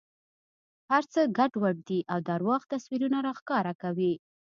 هر څه ګډوډ دي او درواغ تصویرونه را ښکاره کوي.